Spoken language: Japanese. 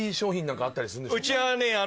うちはね